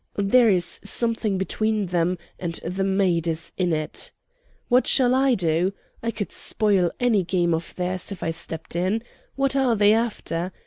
There is something between them, and the maid is in it. "What shall I do? I could spoil any game of theirs if I stepped in. What are they after?